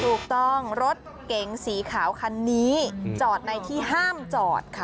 ถูกต้องรถเก๋งสีขาวคันนี้จอดในที่ห้ามจอดค่ะ